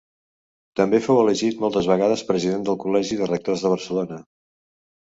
També fou elegit moltes vegades president del Col·legi de Rectors de Barcelona.